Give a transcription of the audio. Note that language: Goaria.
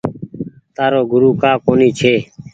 تآرو گورو ڪآ ڪونيٚ ڇي۔